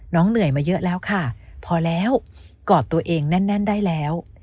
เหนื่อยมาเยอะแล้วค่ะพอแล้วกอดตัวเองแน่นได้แล้ว